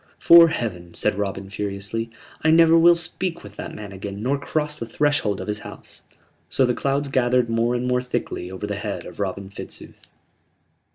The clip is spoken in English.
"'Fore Heaven," said Robin, furiously, "I never will speak with that man again nor cross the threshold of his house!" So the clouds gathered more and more thickly over the head of Robin Fitzooth.